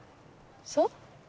そう？